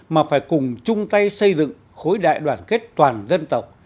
mà phải cùng chung tay xây dựng khối đại đoàn kết toàn dân tộc